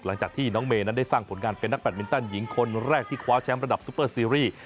หลังจากที่น้องเมย์นั้นได้สร้างผลงานเป็นนักแบตมินตันหญิงคนแรกที่คว้าแชมป์ระดับซุปเปอร์ซีรีส์